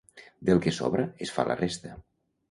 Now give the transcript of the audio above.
Del que sobra es fa la festa.